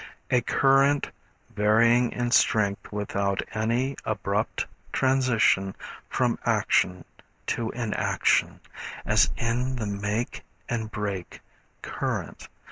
A current varying in strength without any abrupt transition from action to inaction, as in the make and break current.